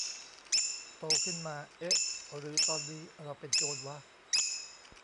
โตขึ้นมา เอ๊ะ หรือตอนนี้เราเป็นโจรวะ ?